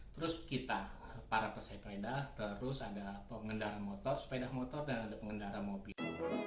terus kita para pesepeda terus ada pengendara motor sepeda motor dan ada pengendara mobil